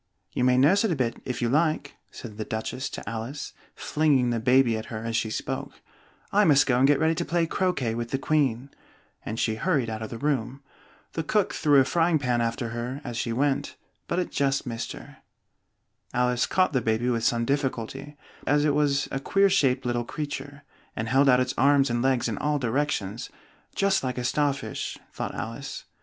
you may nurse it a bit, if you like!" said the Duchess to Alice, flinging the baby at her as she spoke. "I must go and get ready to play croquet with the Queen," and she hurried out of the room. The cook threw a frying pan after her as she went, but it just missed her. Alice caught the baby with some difficulty, as it was a queer shaped little creature, and held out its arms and legs in all directions, "just like a star fish," thought Alice.